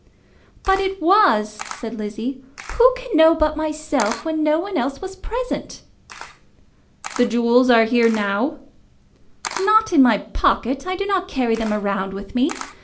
"But it was," said Lizzie. "Who can know but myself, when no one else was present?" "The jewels are here now?" "Not in my pocket. I do not carry them about with me.